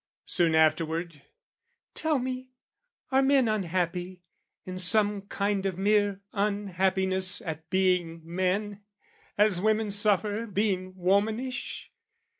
Soon afterward "Tell me, are men unhappy, in some kind "Of mere unhappiness at being men, "As women suffer, being womanish?